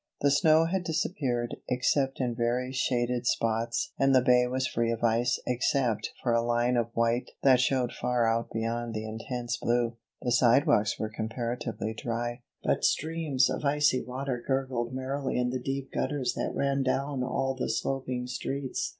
The snow had disappeared except in very shaded spots and the Bay was free of ice except for a line of white that showed far out beyond the intense blue. The sidewalks were comparatively dry, but streams of icy water gurgled merrily in the deep gutters that ran down all the sloping streets.